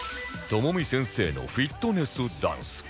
朋美先生のフィットネスダンス